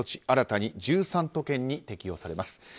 新たに１３都県に適用されます。